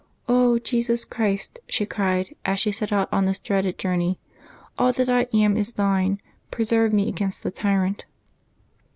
'^ Jesus Christ !" she cried, as she set out on this dreaded jonrney, " all that I am is Thine ; preserve me against the tyrant."